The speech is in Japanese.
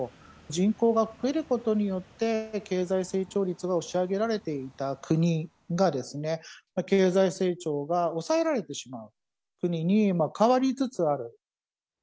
人口が増えることによって経済成長率が押し上げられていた国が、経済成長が抑えられてしまう国に変わりつつある。